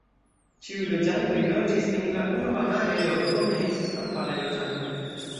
Ĉiuj loĝantoj loĝis en la urba areo, do, ne estis kamparaj loĝantoj.